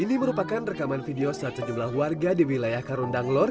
ini merupakan rekaman video saat sejumlah warga di wilayah karundanglon